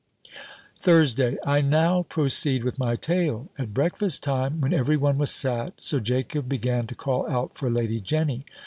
THURSDAY. I now proceed with my tale. At breakfast time, when every one was sat, Sir Jacob began to call out for Lady Jenny.